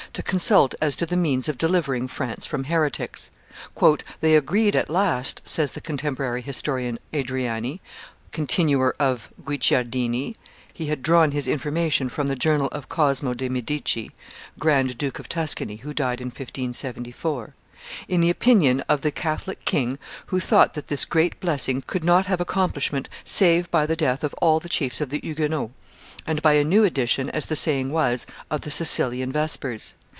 to consult as to the means of delivering France from heretics. "They agreed at last," says the contemporary historian Adriani [continuer of Guicciardini; he had drawn his information from the Journal of Cosmo de' Medici, Grand Duke of Tuscany, who died in 1574], "in the opinion of the Catholic king, who thought that this great blessing could not have accomplishment save by the death of all the chiefs of the Huguenots, and by a new edition, as the saying was, of the Sicilian Vespers.